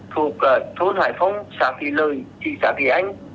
thuộc thôn hải phong xã thị lời trị xã thị anh